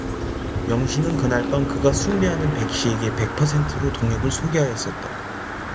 영신은 그날 밤 그가 숭배하는 백씨에게 백 퍼센트로 동혁을 소개하였었다.